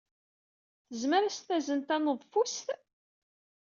Tezmer ad as-tazen taneḍfust?